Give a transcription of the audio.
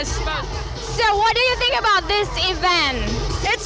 jadi apa pendapat anda tentang event ini